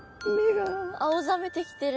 青ざめてきてる。